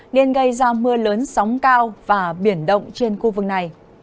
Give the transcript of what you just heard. nên gây ra mưa lớn sóng cao và biển động trên khu vực này